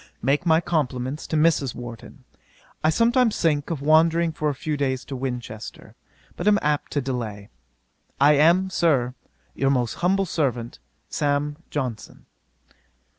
'Make my compliments to Mrs. Warton. I sometimes think of wandering for a few days to Winchester, but am apt to delay. I am, Sir, 'Your most humble servant, 'SAM. JOHNSON.'